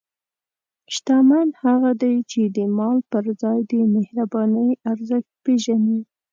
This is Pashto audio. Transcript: شتمن هغه دی چې د مال پر ځای د مهربانۍ ارزښت پېژني.